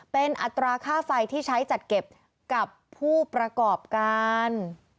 เป็นอัตราค่าไฟที่ใช้จัดเก็บกับผู้ประกอบการ